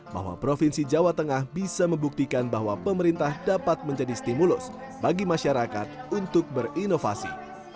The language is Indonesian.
bahwa provinsi jawa tengah bisa membuktikan bahwa pemerintah dapat menjadi stimulus bagi masyarakat untuk berinovasi